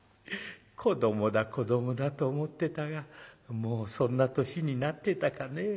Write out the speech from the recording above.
子どもだ子どもだと思ってたがもうそんな年になってたかねえ。